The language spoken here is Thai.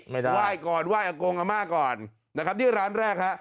ไม่ได้ไหว้ก่อนไหว้อากงอาม่าก่อนนะครับนี่ร้านแรกฮะ